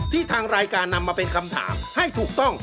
ทางรายการนำมาเป็นคำถามให้ถูกต้อง